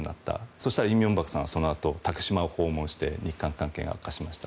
そうしたら李明博さんはそのあと竹島を訪問して日韓関係が悪化しました。